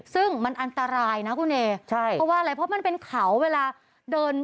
ซึ่งมันอันตรายนะคุณเอใช่เพราะว่าอะไรเพราะมันเป็นเขาเวลาเดิน